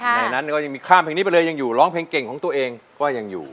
ในนั้นก็ยังมีข้ามเพลงนี้ไปเลยยังอยู่ร้องเพลงเก่งของตัวเองก็ยังอยู่